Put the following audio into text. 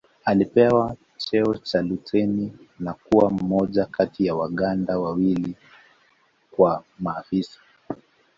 Alipewa cheo cha luteni na kuwa mmoja kati wa Waganda wawili kuwa maafisa